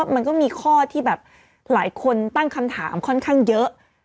มันก็มีข้อที่แบบหลายคนตั้งคำถามค่อนข้างเยอะ